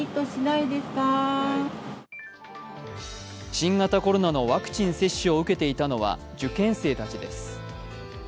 新型コロナのワクチン接種を受けていたのは受験生たちです。